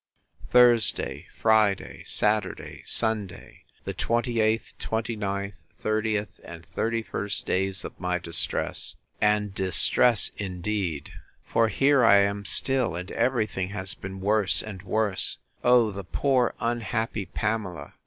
Thursday, Friday, Saturday, Sunday, the 28th, 29th, 30th, and 31st days of my distress. And distress indeed! For here I am still; and every thing has been worse and worse! Oh! the poor unhappy Pamela!